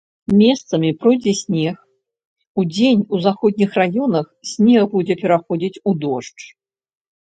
Месцамі пройдзе снег, удзень у заходніх раёнах снег будзе пераходзіць у дождж.